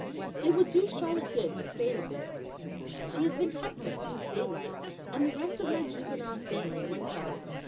It would do Charlotte good to fade a bit. She has been hectic since daylight and the rest of my juvenile family with her.